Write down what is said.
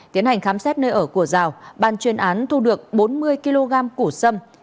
tiến hành khám xét nơi ở của giào ban chuyên án thu được bốn mươi kg củ xâm